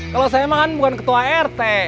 kalau saya makan bukan ketua rt